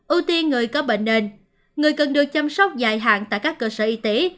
ưu tiên người có bệnh nền người cần được chăm sóc dài hạn tại các cơ sở y tế